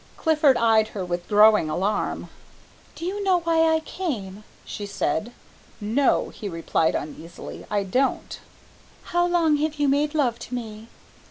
Clifford eyed her with growing alarm. "Do you know why I came?" she said. "No," he replied uneasily, "I don't." "How long have you made love to me?"